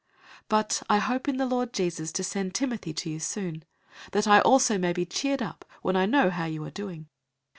002:019 But I hope in the Lord Jesus to send Timothy to you soon, that I also may be cheered up when I know how you are doing.